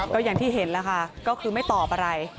ก็อย่างที่เห็นแล้วค่ะก็คือไม่ตอบอะไร